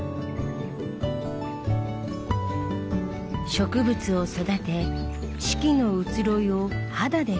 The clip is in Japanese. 植物を育て四季の移ろいを肌で感じる。